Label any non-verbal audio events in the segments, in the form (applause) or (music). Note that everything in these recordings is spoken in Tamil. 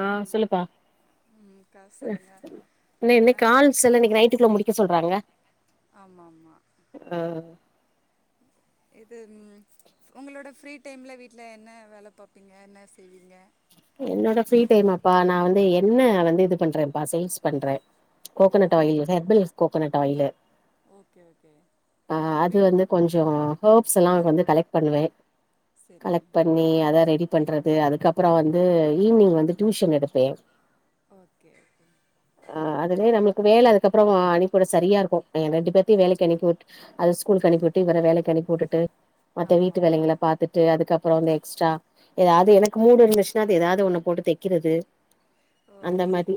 ஆ சொல்லுப்பா அ என்னே என்னே கால்ஸ்ல்ல இன்னைக்கு நைட்டுக்குள்ள முடிக்க சொல்றாங்க ஆமா ஆமா இது ம் உங்களோட ஃப்ரீ டைம்ல வீட்டுல என்ன வேல பாப்பிங்க என்ன செய்வீங்க என்னோட ஃப்ரீ டைம்மாப்பா நா வந்து எண்ண வந்து இது பண்றப்பா சேல்ஸ் பண்ற coconut oil herbal coconut oil okay okay we கொஞ்சோ ஹர்ப்ஸ் எல்லா வந்து கலெக்ட் பண்ணுவே கலெக்ட் பண்ணி அத ரெடி பண்றது அதுக்கப்பறோ வந்து ஈவி்னிங் வந்து டியூஷன் எடுப்பே ஓகே ஓகே அ அதுலியே நம்ளுக்கு வேல அதுக்கப்றோ அனிப்புட சரியாருக்கு எங்க ரெண்டு பேத்தையு வேலைக்கு அனிப்புட்டு அத ஸ்கூல்க்கு அனிப்புட்டு இவர வேலைக்கு அனிப்புட்டுட்டு மத்த வீட்டு வேலைங்களப் பாத்துட்டு அதுக்கப்பறோ வந்து எக்ஸ்ட்ரா எதாவது எனக்கு மூடு இருந்துச் நா அது எதாது ஒன்னப் போட்டு தெக்கிறது அந்த மாதி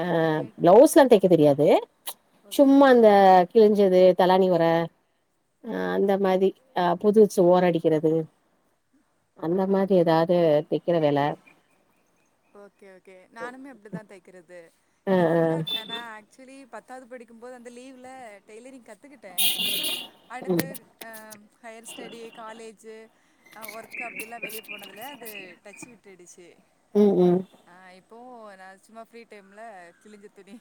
அ பிளவுஸ்லாந் தெக்க தெரியாது சும்மாந் இந்த கிழிஞ்சது தலாணி ஒர அ அந்த மாதி ஆ புதுசு ஓரடிக்கிறது அந்த மாரி எதாவது தெக்கிற வேல ஓகே ஓகே நானுமே அப்டிதா தெக்கிறது எனக்கு ஃபுல்லாத் எனா ஆக் சுலி பத்தாது படிக்கும்போது அந்த லீவ்ல டெய்லரிங் கத்துகிட்டே அடுத்து அம் ஹையர் ஸ்டடி காலேஜு அ ஒர்க்கு அப்டிலா வெளியப் போனதுல அது டச் விட்டுடுச்சி ம் ம் ஆ இப்பவு நா சும்மா ஃப்ரீ டைம்ல கிழிஞ்சத் துணி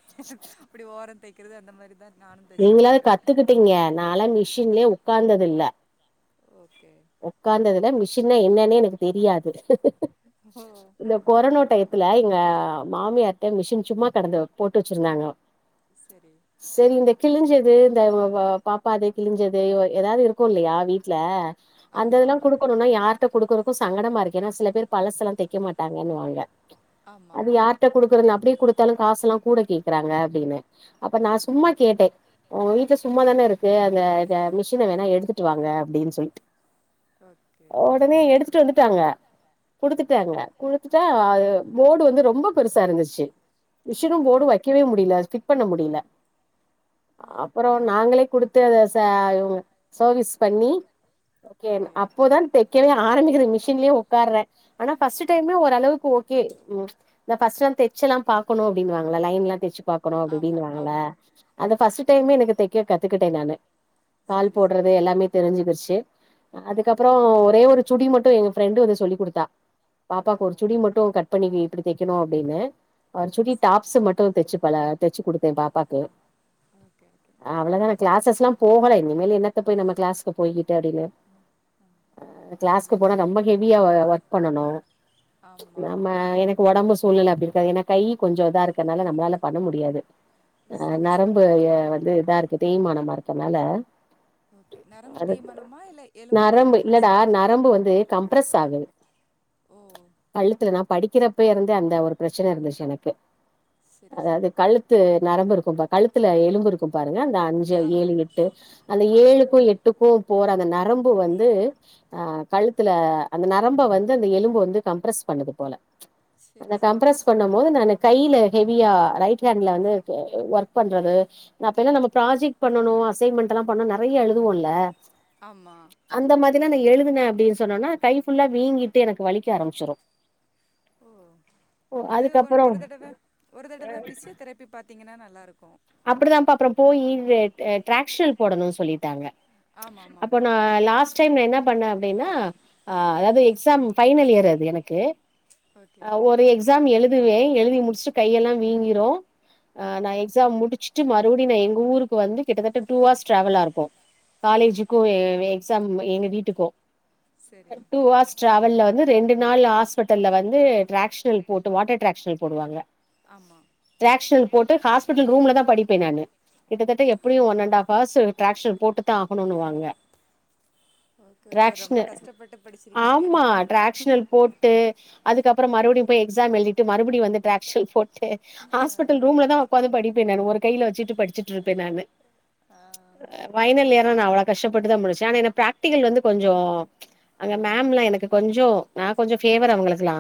இப்டி ஓரோந் தைக் க்கிறது அந்த மாரிதா நானுந் நீங்களாது கத்துக்கிட்டீங்க நாலா மிஷின்லியே உக்காந்தது இல்ல ஓகே ஒக்காந்ததுல மிஷின்னா என்னனே எனக்கு தெரியாது இந்தப் கொரோனோ டைத்துல எங்க மாமியார்ட்ட மிஷின் சும்மா கடந்து போட்டு வச்சிருந்தாங்க செரி செரி இந்த கிழிஞ்சது இந்த வ பாப்பாது கிழிஞ்சது எதாது இருக்கு இல்லியா வீட்ல அந்த இதுலா குடுக்கணுனா யார்ட்ட குடுக்கறக்கு சங்கடமாருக்கு ஏனா சில பேர் பழசெலா தெக்க மாட்டாங்கன்னுவாங்க அது யார்ட்ட குடுக்குறன்ன அப்டியே குடுத்தாலு காசுலாங் கூட கேக்கறாங்க அப்டினு அப்ப நா சும்மா கேட்ட உங்க வீட்ல சும்மாதான இருக்கு அந்த அத மிஷின வேணா எடுத்துட்டு வாங்க அப்டின் சொல்லிட்டு காட் ஒடனே எடுத்துட்டு வந்துட்டாங்க குடுத்துட்டாங்க குடுத்துட்டா அது போர்டு வந்து ரொம்ப பெருசா இருந்துச்சி மிஷினு போர்டு வக்கவே முடில ஃபிட் பண்ண முடில அப்பறோ நாங்களே குடுத்து அத ச இவுங்க சர்வீஸ் பண்ணி ஓகேன் அப்போதான் தெக் கவே ஆரம்பிக்கற மிஷின்லியே ஒக்கார்ற ஆனா ஃபர்ஸ்டு டைமே ஒரளவுக்கு ஓகே ம் இந்த ஃபர்ஸ்ட்லா தெச்சலாம் பாக்கணு அப்டினுவாங்கள லைன்லா தெச்சு பாக்கணு அப்டி இப்டினுவாங்கள அந்த ஃபஸ்ட்டு டைமே எனக்கு தெக்க கத்துகிட்டே நானு கால் போட்றது எல்லாமே தெரிஞ்சுகுருச்சு அதுக்கப்றோ ஒரே ஒரு சுடி மட்டு எங்க ஃபிரெண்டு வந்து சொல்லி் குடுத்தா பாப்பாக்கு ஒருச் சுடி மட்டு கட் பண்ணி வீ இப்டி தெக்கணு அப்டினு ஒரு சுடி டாப்ஸ்சு மட்டு தெச்சு பழ தெச்சு குடுத்தே பாப்பாக்கு ஓகே ஓகே அவ்ளதா நா‌ கிளாஸஸ்லா போகல இனிமேலு என்னத்த போய் நம்ம கிளாஸுக்கு போய்கிட்டு அப்டினு கிளாஸ்க்கு போனா ரொம்ப ஹெவியா வ ஒர்க் பண்ணனு நம்ம அ எனக்கு ஒடம்பு சூழ்நில அப்டி இருக்காது ஏனா கை கொஞ்சோ இதா இருக்கனால நம்ளால பண்ண முடியாது அ நரம்பு ய வந்து இதா இருக்கு தேய்மானமா இருக்கனால ஓகே நரம்பு தேய்மானமா இல்ல எ நரம்பு இல்லடா நரம்பு வந்து கம்ப்ரஸ் ஆகுது கழுத்துல நா படிக்கிறப்ப இருந்தே அந்த ஒரு ப்ரச்சன இருந்துச்சு எனக்கு அதாவுது கழு த்து நரம்பு இருக்கு பா கழுத்துல எலும்பு இருக்கு பாருங்க அந்த அஞ்சு ஏழு எட்டு அந்த ஏழுக்கு எட் டுக்கு போற அந்த நரம்பு வந்து அ கழுத்துல அந்த நரம்ப வந்து அந்த எலும்பு வந்து கம்ப்ரஸ் பண்ணுது போல அந்த கம்ப்ரஸ் பண்ணம் போது நானு கையில ஹெவியா ரைட் ஹேண்ட்ல வந்து ஒர்க் பண்றது அப்பேலா நம்ம ப்ராஜெக்ட் பண்ணனு அசைன்மெண்ட் எல்லா பண்ண நெறைய எழுதுவோல ஆமா அந்த மாதிரிலா நா எழுதுனே அப்டின்னு சொன்னோனா கை ஃபுல்லா வீங்கிட்டு எனக்கு வலிக்க ஆரம்பிச்சுரு ஓ இது ஒ ஒரு தடவ ஒரு தடவ ஃபிஸியோ தரப்பி பாத்திங்கன்னா நல்லாயிருக்கு அப்டிதான்பா அப்றோ போயி இது அ ட்ராக்ஷனல் போடணுனு சொல்லிட்டாங்க அப்போ நா லாஸ் டைம் நா என்னா பண்ண அப்டின்னா அ அதாவுது எக்ஸா பைனல் இயர் அது எனக்கு அ ஒரு எக்ஸ் ஸாம் எழுதுவே எழுதி முடிச்ட்டு கையெல்லா வீங்கிரு அ நா எக்ஸாம் மு டிச்சட்டு மறுபடியு நா எங்க ஊருக்கு வந்து கிட்டத்தட்ட டூ ஹாஸ் டிரவலாருக்கு காலேஜுக்கு (unintelligible) சம் எங்க வீட்டுக்கு டூ ஹாஸ் டிரவல்ல வந்து ரெண்டு நாள் ஹாஸ்பிட்டல்ல வந்து டிராக்ஷனல் போட்டு வாட்டர் டிராக்ஷனல் போடுவாங்க ஆமா டிராக்ஷனல் போட்டு ஹாஸ்பிடல் ரூம்ல தா படிப்பே நானு கிட்டத்தட்ட எப்டியு ஒன் அன்ட ஹாஸ்ஸு டிரக்ஷனல் போட்டு தா ஆகணுனு வாங்க டராக்ஷனல் ஆமா டராக்ஷனல் போட் ட்டு அதுக்க அப்றோ மறுபடியு போய் எக்ஸாம் எழுதிட்டு மறுபடியு வந்து டிரராகஷல் போட்டு ஹாஸ்படல் ரூம்ல தா உக்காந்து படிப்பே நானு ஒரு கையில வச்சுட்டு படிச்சுட்டு இருப்பே நானு ஆ ஆ ஃபைனல் இயர்லா நா அவ்ளோ கஷ்டப்பட்டு தா முடிச்சே ஆனா என்ன பிரராக்டிகல் வந்து கொஞ்சோ அங்க மேம்லா எனக்கு கொஞ்சோ நா கொஞ்சோ ஃபேவர் அவுங்களுக்குல்லா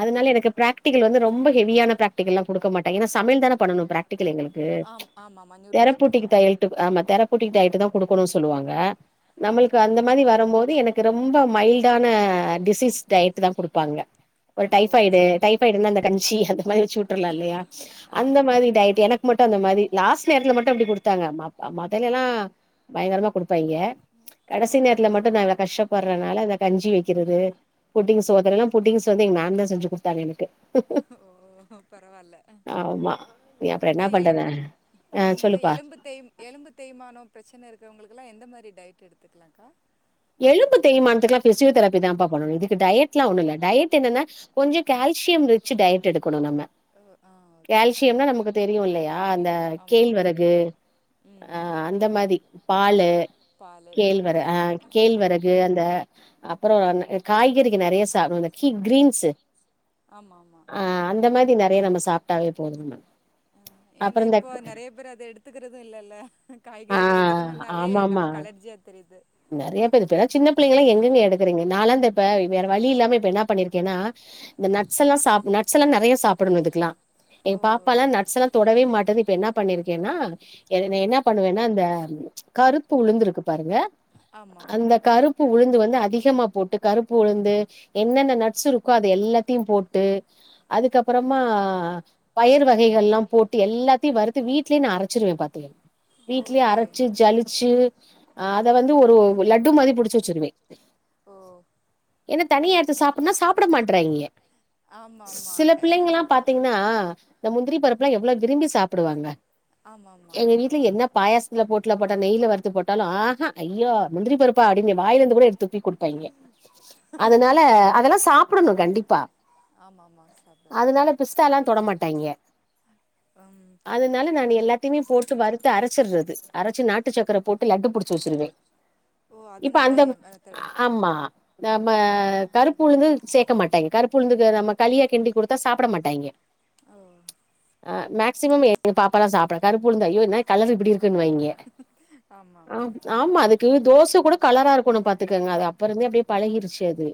அதனால எனக்கு பிராக்டிகல் வந்து ரொம்ப ஹெவியான பிராக்டிகல்லா குடுக்க மாட்டாங் ஏன்னா சமையல் தான பண்ணணு பிராக்டிகல் எங்களுக் தெரப்பூட்டிக்குதயட்டு ஆமா தெரப்பூட்டிக்குதயட்டு தா குடுக்கணு சொல்லுவாங்க நம்மளுக்கு அந்த மாரி வர போது எனக்கு ரொம்ப மைல்டான டிசீஸ் டயட்டு தா குடுப்பாங்க ஒரு டைஃபாய்டு டைஃபாய்டுனா அந்த கஞ்சி அந்த மாரி வச்சி உ ட்டுல்லா இல்லையா அந்த மாதிரி டயட் எனக் கு மட்டு அந்த மாதிரி லாஸ்ட் நேரத்துல மட்டு அப்டி குடுத்தாங்க மத்த மொதலெல்லா பயங்கரமா குடுப்பாய்ங்க கடசி நேரத்துல மட்டு நா இவ்ளோ கஷ்டப்படுறனால அந்த கஞ்சி வைக்கிறது புட்டிங் சோ அதுறல்லா புட்ங்ஸ் சோ வந்து எங்க மேம் தா செஞ்சு குடுத்தாங்க எனக்கு ஓ பரவால்ல இந்த எலும்பு ம் இந்த எலும்புத் தேய் எலும்பு தேய்மானோ ப்ரச்சன இருக்கிறவங்களுக்குலா எந்த மாரி ட்யட் எடுத்துக்கலாம்கா எலும்பு தேய்மானத்துக்கலா பிசியோதெரபி தா பா பண்ணணு இதுக்கு டயட்லா ஒன்னு இல்ல டயட் என்னன்னா கொஞ்சோ கால்சியம் ரிச்சு டயட் எடுக்கணு நம்ம கால்சியம்னா நமக்கு தெரியு இல்லையா இந்த கேழ்வரகு ஆ அந்த மாதி பாலு பால் முட்ட எடுத்துக்கலா கேழ்வரகு அந்த அப்பறோ காய்கறிக நெறைய சாப்பிடணு அ கி கிரீன்ஸு ஆமா ஆமா ஆ அந்த மாதி நெறையா நம்ம சாப்ட்டாவே போதும் மே ஏன்னா இப்போ நெறைய பேர் அத எடுத்துக்கறது இல்லல்ல காய்கறிகள் எடுத் அ ஆமா ஆமா நெறைய பேரு இப்ப சின்ன பிள்ளைங்கல்லா எங்கங்க எடுத் துறீங்க நாலந்த இப்ப வேற வழி இல்லாம இப்ப என்ன பண்ணிருக்கேனா இந்த நட்ஸ் எல்லா சாப் நட்ஸ் எல்லா நெறைய சாப்பிடணு இதுக்கலா எங்க பாப்பா எல்லா நட்ஸ் எல்லா தொடவே மாட்டேது இப்ப என்ன பண்ணிருக்கேன்னா எதனே என்னப் பண்ணுவேன்னா இந்த ம்ச் கருப்பு உளுந்துருக்கு பாருங்க அந்த கருப்பு உளுந்து வந்து அதிகமா போட்டுக் கருப்பு உளுந்து என்னென்ன நட்ஸ் இருக்கோ அது எல்லாத்தையு போட்டு அதுக்கப்பறமா பயிர் வகைகள்லா போட்டு எல்லாத்தையு வறுது வீட்லயே நா அரைச்சிருவே பாத்துக்கங் வீட்லயே அரைச்சு ஜலிச்சு அ அத வந்து ஒரு லட்டு மாதிரி புடிச்சு வச்சுருவே ஓ என்ன தனியா எடுத்து சாப்புன்னா சாப்பிட மாட்டறாய்ங்க ஸ்ஸ் சில பிள்ளைங்கல்லா பாத் திங்கனா இந்த முந்திரி பருப்புலா எவ்ளோ விரும்பி சாப்பிடுவாங்க எங்க வீட்டுல என்னாப் பாயசத்துல போட்டுல போட்டா நெய்யில வறுத்து போட்டாலு ஆஹா ஐயோ முந்திரிப்பருப் ட்டா அடிங்க வாயில இருந்து கூட எடுத் துப்பி குடுப்பாய்ங்க அதனால அதெல்லா சாப்பிடணு கண்டிப்பா ஆமா ஆமா சாப்பிடணு பிஸ்தாலா தொட மாட்டாய்ங்க ஆம் அதனால நா எல்லாத்தையுமே போட்டு வறுத்து அரஸ் ச்சிடறது அரைச்சு நாட்டு சக்கர போட்டு லட்டு புடிச்சுச்சி வச்சிருவே இப்ப அந்தவு அ ஆமா நம்ம கருப்பு உளுந்து இதுக்கு சேக்க மாட்டாய்ங்க கருப்பு உளுந்து க நம்ம களியா கிண்டி குடுத்தா சாப்பிட மாட்டாய்ங்க ஓ ஆ மேக்சிமம் எங்க பாப்பா எல்லா சாப்பிட கருப்பு உளுந்து ஐயோ என்னா கலர் இப்டி இருக்குன்னு வாய்ங்க ஆமா ஆமா ஆமா அதுக்கு தோச கூட கலரா இருக்கன்னு பாத்துக்கோங்க அது அப்ப இருந்தே அப்டியே பழகிருச்சு அது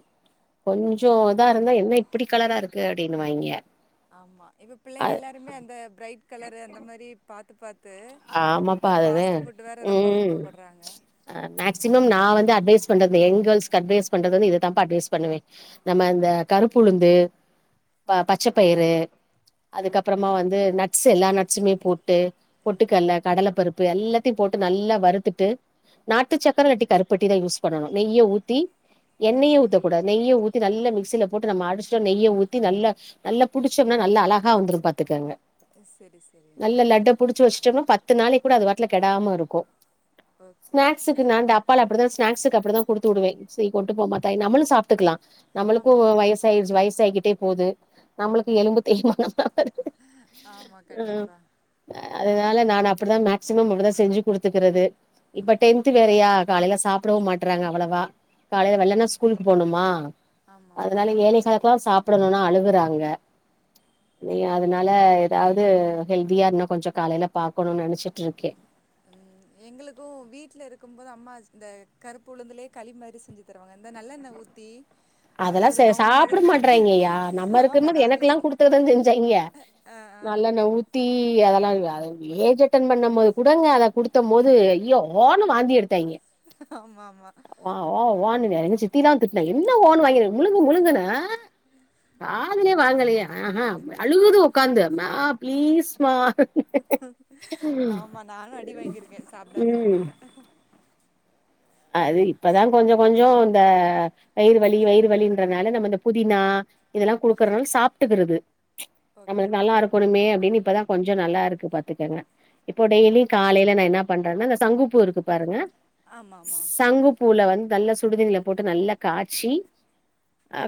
கொஞ்சோ இதா இருந்தா என்ன இப்டி கலரா இருக்கு அப்டின்னு வாய்ங்க ஆமா இப்ப பிள்ளைங்க எல்லாருமே அந்த பிரைட் கலர் அந்த மாரி பாத்து பாத் து இந்த ஃபாஸ்ட் ஃபுட் வேற ரொம்ப விருப்பப்படுறாங்க அ மேக்சிமம் நா வந்து அட்வைஸ் பண்றது இந்த எங்கேர்ள்ஸ்ஸுக்கு அட்வைஸ் பண்றது வந்து இததா பா அட்வைஸ் பண்ணுவே நம்ம இந்த கருப்புளுந்து ப பச்சப்பயிரு அதுக்கப்பறமா வந்து நட்ஸ் எல்லா நட்ஸுமே போட்டு பொட்டுக்கல்ல கடலைப்பருப்பு எல்லாத்தையு போட்டு நல்லா வறுத்துட்டு நாட்டு சக்கர இல்லாட்டி கருப்பட்டி தா யூஸ் பண்ணணு நெய்ய ஊதி எண்ணெய ஊத்தக்க கூடாது நெய்ய ஊத்தி நல்ல மிக்ஸியில போட்டு நம்ம அடிச்ட்டோ நெய்ய ஊத்தி நல்லா நல்லா புடிச்சோம்னா நல்லா அழகா வந்துரு பாத்துக்கங்க நல்ல லட்ட புடிச்சு வச்சுட்டோம்னா பத்து நாளைக்கு கூட அது வாட்டல கெடாம இருக்கு ஸ்னாக்ஸ்ஸுக்கு நா டப் பால அப்படிதா ஸ்னாக்ஸு அப்டிதா குடுத்து விடுவே சி கொண்டு போ மா தாயே நம்மளு சாப்ட்டுக்கலா நம்மளுக்கு வயசஸ் தைவ்ஸ் வயசு ஆயிக்கிட்டே போது நம்மளுக்கு எலும்பு தேய்மானம்லா வருது ஆமா கண்டிப்பா அதனால நானு அப்டிதா மேக்சிமம் அப்டிதா செஞ்சு குடுத்துக்கறது இப்ப டென்த் வேறயா காலைல சாப்பிடவும் மாட்றாங்க அவ்வளவா காலைல வெள்ளன ஸ்கூலுக்கு போணுமா அதனால ஏழே காலுக்கெல்லா சா அப்றோ என்னனா அழுகுறாங்க நீ அதனால எதாவது ஹெல்தியா இன்னு கொஞ்சோ காலைல பாகணுனு நெனச்சிட்டு இருக்க ம் எங்களுக்கும் வீட்ல இருக்கும் போது அம்மா ல் இந்த கருப்புளுந்துலேயே களி மாரி செஞ்சித் தருவங்க இருந்த நல்ல என்ன ஊத்தி அது ஒரு ரவுண்ட் மாதிரி பண்ணி ஆமா நாங்களு செ அ அ டீ அதெல்லா ஏஜ் அட்டன் பண்ணம்போது கூட அத குடுத்தம்போது அய்யோ ஏதோ ஓன்னு வாந்தி எடுத்தாங்ஙி ஓ ஓ ஓன்னு என் சித்தியதா திட்ன ஓன்னு வாங்கிரு முழுங்கு முழுங்குன அ காதுலயே வாங்கலயே ஆஹ அழுகுது உக்காந்து மா பிளீஸ் மா ஆமா நானு அடி வாங்கியிருக்க சாப்டாததுனால அது இப்பதா கொஞ்சோ கொஞ்சோ இந்த வயிறு வலி வயிறு வலின்றனால நம்ம இந்த புதினா இதெல்லா குடுக்கறனால சாப்ட்டுக்கிறது நம்மளுக்கு நல்லா இருக்கு குடுமே அப்டின்னு இப்பதா கொஞ்சோ நல்லா இருக்கு பாத்துக்கங்க இப்போ டெய்லி காலைல நா என்ன பண்றனா இந்த சங்குப்பூ இருக்கு பாருங்க ஆமாமா சங்கபூல வந்து நல்ல சுடுதண்ணில போட்டு நல்லா காச்சி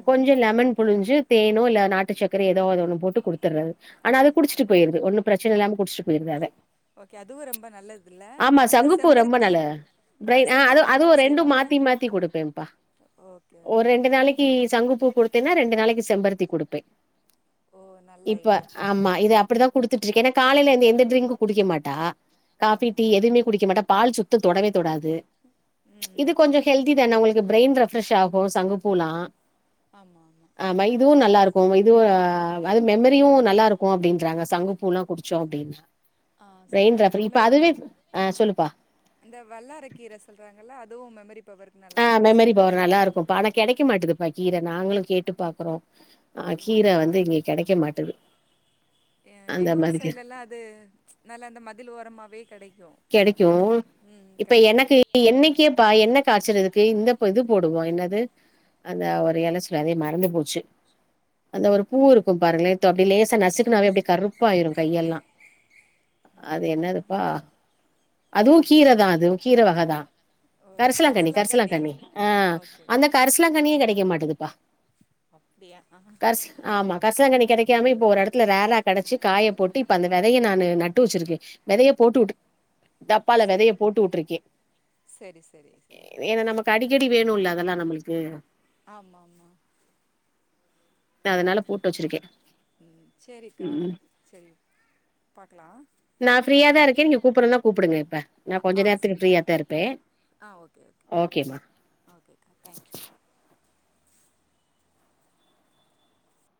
கொஞ்சோ லெமன் புழிஞ்சு தேனோ இல்ல நாட்டு சக்கர ஏதோது ஒண்ணு போட்டு குடுத்தர்றது ஆனா அது குடிச்சிட்டு போயிருது ஒன்னு பிரச்சன இல்லாம குடிச்சிட்டு போயிருது அத ஓகே அதுவு ரொம்ப நல்லது இல்ல அப்றோ இந்த செம்பருத்தி பிரைன் அ அதுவு ரெண்டு மாத்தி மாத்தி குடுப்பேன்ப்பா ஒரு ரெண்டு ரெண்டு நாளைக்கு சங்குப்பூ குடுத்தேனா ரெண்டு நாளைக்கு செம்பருத்தி கொடுப்பே ஓ ந இப்ப ஆமா இது அப்டிதா குடுத்திட்டிருக்க ஏனா காலைல அந்த எந்த ட்ரிங்க்கு குடிக்க மாட்டா காஃபி, டீ எதுமே குடிக்க மாட்டா பால் சுத்தோ தொடவே தொடாது இது இது கொஞ்சோம் ஹெல்திதான உங்களுக்கு பிரைன் ரெஃப்ரஷ் ஆகு சங்குப்பூலா ஆமாமா ஆ இதுவு நல்லா இருக்கு இதுவு அது மெமரியு நல்லா இருக்கு அப்டின்றாங்க சங்குப்பூல்லா குடிச்சோ அப்டினா பிரைன் ரெஃப் இப்ப அதுவே ஆ சொல்லுப்பா அந்த வல்லார கீர சொல்றாங்கல்ல அதுவு மெமரி பவருக்கு நல்லா இருக்குனு சொல்றாங்க கெடைக்க மாட்டதுப்பா கீர நாங்களு கேட்டு பாக்குறோ ஆ கீர வந்து இங்க கெடைக்க மாட்டது எங்க ஊர் சைடெல்லா அது நல்லா அந்த மதில் ஓரமாவே கெடைக்கு கெடைக்கு இப்ப எனக்கு என்னைக்கே பா எண்ணே காச்சுறது இந்த பூ இது போடுவோ என்னது அந்த ஒரு எலை சொல் அதே மறந்து போச்சு அந்த ஒரு பூ இருக்கும் பாருங்ளே தோ அப்டி லேசா நசுக்குனாவே அப்டி கரு ப்பாயிரு கையெல்லா அது என்னதுப்பா அதுவு கீரதா அதுவு கீர வகைதா கரிசலாங்கண்ணி கரிசலாங்கண்ணி ஆ அந்த கரிசலாங்கண்ணியே கெடைக்க மாட்டதுப்பா அப்டியா ஆஹ கர்சிலா ஆமா கர்சிலாங்கண்ணி கெடைக்காம இப்போ ஒரு எடத்துல ரேர்ரா கெடச்சு காய போட்டு இப்போ அந்த விதய நானு நட்டு வெச்சிருக்க வெதய போட்டு வுட்டு டப்பால வெதய போட்டு விட்டுருக்கே ஏனா நமக்கு தடிக்கடி வேணுல்ல அதெல்லா நம்மளுக்கு ஆமாமா ம் செரிக்கா செரி பாக்கலா நா ஃப்ரியா தா இருக்கே நீங்க கூப்பிடறதன கூப்புடுங்க இப்ப கொஞ்ச நேரத்துக்கு ஃப்ரியா தா இருப்பே ஆ ஓகே ஓகே ஓகேக்கா தேங்க்யூ